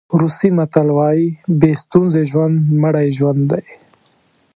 روسي متل وایي بې ستونزې ژوند مړی ژوند دی.